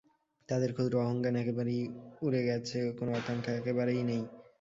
তাঁদের ক্ষুদ্র অহংজ্ঞান একেবারে উড়ে গেছে, কোন আকাঙ্ক্ষা একেবারেই নেই।